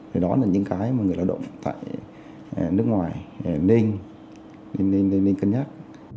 thì đó là những cái mà người lao động tại nước ngoài nên nên nên nên nên cân nhắc